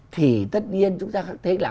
thì tất nhiên chúng ta thấy là